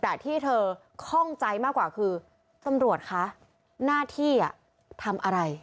แต่ที่เธอคล่องใจมากกว่าคือตำรวจคะหน้าที่ทำอะไร